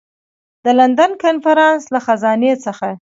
د لندن کنفرانس له خزانې څخه.